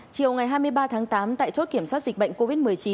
chiều ngày hai mươi ba tháng tám tại chốt kiểm soát dịch bệnh covid một mươi chín